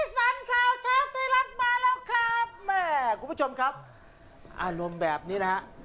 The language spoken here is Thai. สันข่าวเช้าไทยรัฐมาแล้วครับแม่คุณผู้ชมครับอารมณ์แบบนี้นะฮะ